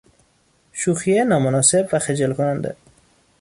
شوخی نامناسب و خجل کننده